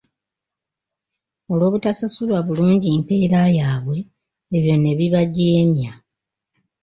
Olw'obutasasulwa bulungi mpeera yaabwe, ebyo ne bibajeemya.